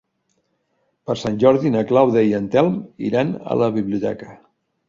Per Sant Jordi na Clàudia i en Telm iran a la biblioteca.